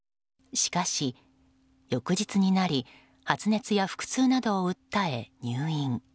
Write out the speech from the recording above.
しかし、翌日になり発熱や腹痛などを訴え入院。